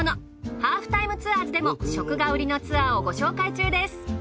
『ハーフタイムツアーズ』でも食が売りのツアーをご紹介中です。